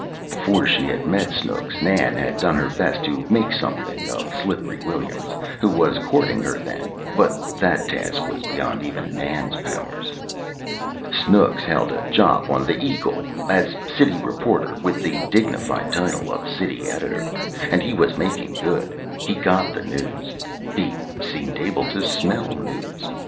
Before she had met Snooks Nan had done her best to "make something" of "Slippery" Williams, who was courting her then, but that task was beyond even Nan's powers. Snooks held a job on the "Eagle" as city reporter, with the dignified title of City Editor, and he was making good. He got the news. He seemed able to smell news.